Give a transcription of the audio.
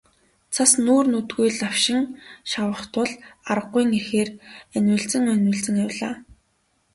Цас нүүр нүдгүй лавшин шавах тул аргагүйн эрхээр анивалзан онилзон явлаа.